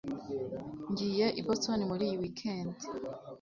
ngiye i boston muri iyi weekend